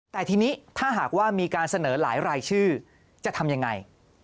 แต่ทีนี้ถ้าหากว่ามีการเสนอหลายรายชื่อจะทำยังไง